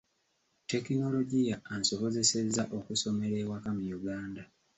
Tekinologiya ansobozesezza okusomera ewaka mu Uganda.